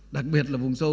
đặc biệt là vùng sâu